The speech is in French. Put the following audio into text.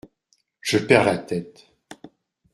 Je perds la tête !